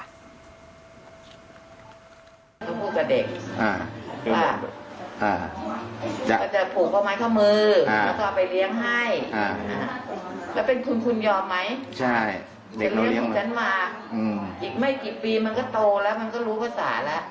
เดี๋ยวมันก็เลิกกันแล้วมันก็จะเอาเหรียญมาให้เราเลี้ยงต่อ